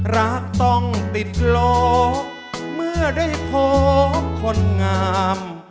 รักต้องติดลบเมื่อได้พบคนงาม